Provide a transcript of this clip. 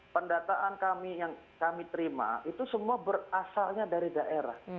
pendataan kami yang kami terima itu semua berasalnya dari daerah